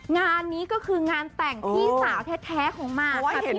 งานนี้ก็คืองานแต่งพี่สาวแท้ของมาร์กค่ะพี่เมี่ยง